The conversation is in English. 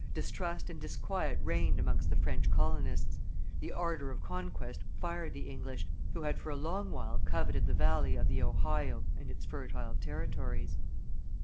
Distrust and disquiet reigned amongst the French colonists; the ardor of conquest fired the English, who had for a long while coveted the valley of the Ohio and its fertile territories.